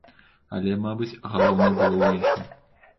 Але, мабыць, галоўнае было ў іншым.